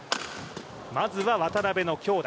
まずは渡辺の強打。